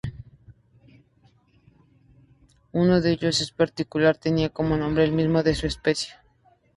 Uno de ellos en particular tenía como nombre el mismo de su especie.